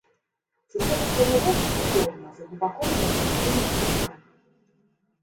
Сістэма планіроўкі калідорная з аднабаковым размяшчэннем памяшканняў.